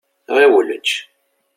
Ɣiwel ečč.